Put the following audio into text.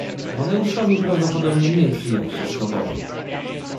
Amadeuszowi prawdopodobnie nie przyjął się schabowy.